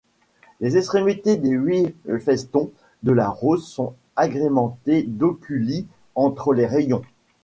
Les extrémités des huit festons de la rose sont agrémentés d'oculi entre les rayons.